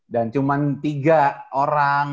dan cuman tiga orang